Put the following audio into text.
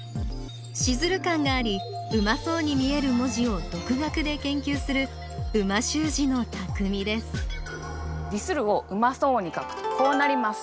シズル感がありうまそうに見える文字を独学で研究する美味しゅう字のたくみです「ディスる」をうまそうに書くとこうなります。